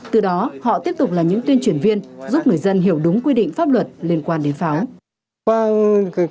từ đó họ tiếp tục là những tuyên truyền viên giúp người dân hiểu đúng quy định pháp luật liên quan đến pháo